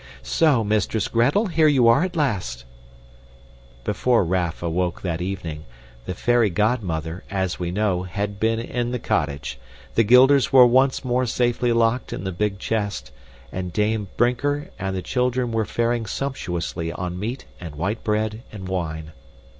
"So, Mistress Gretel! Here you are at last!" Before Raff awoke that evening, the fairy godmother, as we know, had been in the cottage, the guilders were once more safely locked in the big chest, and Dame Brinker and the children were faring sumptuously on meat and white bread and wine.